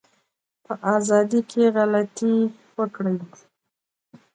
په ازادی کی غلطي وکړی